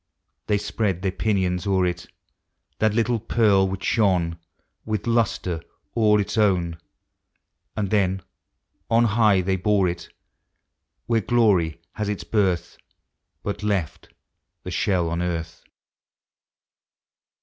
They spread their pinions o'er it. — That little pearl which shone With lustre all its own, — And then on high they bore it, Where glory has its birth;— But left the shell on earth.